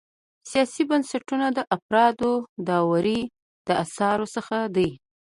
سیاسي بنسټونه د فرهاد داوري د اثارو څخه دی.